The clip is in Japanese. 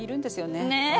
ねえ。